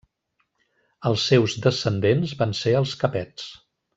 Els seus descendents van ser els capets.